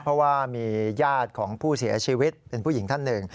เพราะว่ามีญาติของผู้เสียชีวิตเป็นผู้หญิงท่านหนึ่ง